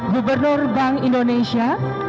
gubernur bank indonesia